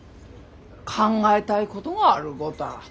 考えたいことがあるごたぁ。